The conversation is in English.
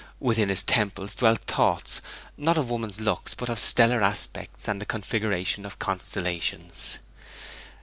Within his temples dwelt thoughts, not of woman's looks, but of stellar aspects and the configuration of constellations.